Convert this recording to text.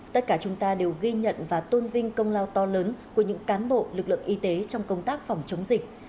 tất cả chúng ta đều ghi nhận và tôn vinh công lao to lớn của những cán bộ lực lượng y tế trong công tác phòng chống dịch